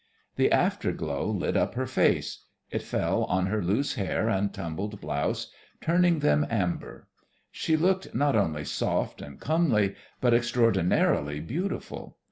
The afterglow lit up her face; it fell on her loose hair and tumbled blouse, turning them amber red. She looked not only soft and comely, but extraordinarily beautiful.